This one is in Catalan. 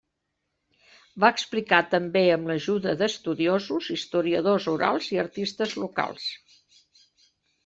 Va explicar també amb l'ajuda d'estudiosos, historiadors orals i artistes locals.